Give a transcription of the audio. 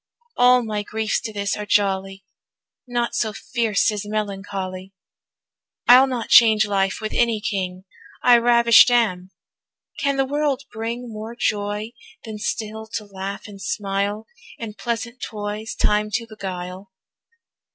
All my griefs to this are jolly, Naught so fierce as melancholy. I'll not change life with any king, I ravisht am: can the world bring More joy, than still to laugh and smile, In pleasant toys time to beguile?